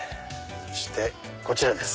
そしてこちらです。